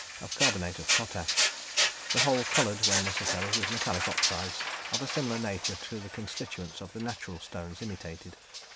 of carbonate of potash, the whole coloured when necessary with metallic oxides of a similar nature to the constituents of the natural stones imitated.